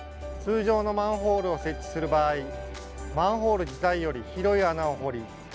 通常のマンホールを設置する場合マンホール自体より広い穴を掘り